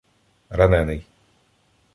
— Ранений.